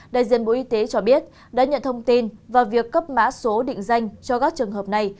đại diện bộ y tế cho biết đã nhận thông tin và việc cấp mã số định danh cho các trường hợp này